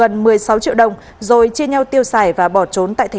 nhưng mà nó chưa kịp hoàn hảnh